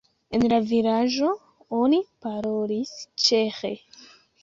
En la vilaĝo oni parolis ĉeĥe.